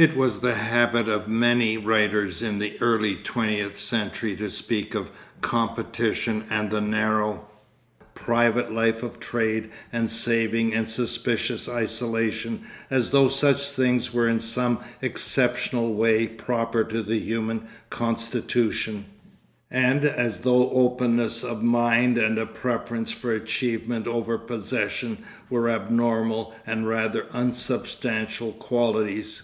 It was the habit of many writers in the early twentieth century to speak of competition and the narrow, private life of trade and saving and suspicious isolation as though such things were in some exceptional way proper to the human constitution, and as though openness of mind and a preference for achievement over possession were abnormal and rather unsubstantial qualities.